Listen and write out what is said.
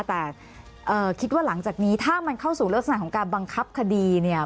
แต่คิดว่าหลังจากนี้ถ้ามันเข้าสู่ลักษณะของการบังคับคดีเนี่ย